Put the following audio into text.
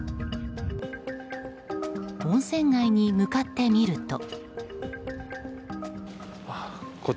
温泉街に向かってみると。